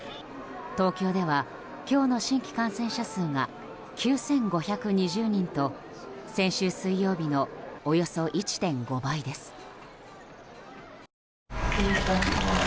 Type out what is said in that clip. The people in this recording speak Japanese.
東京では、今日の新規感染者数が９５２０人と先週水曜日のおよそ１．５倍です。